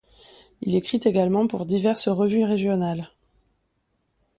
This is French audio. Il écrit également pour diverses revues régionales.